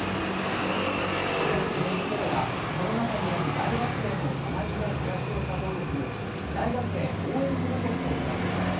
ＮＨＫでは、コロナ禍にある大学生の学びや暮らしをサポートする大学生応援プロジェクトを行っています。